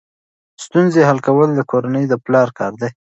ستونزې حل کول د کورنۍ د پلار کار دی.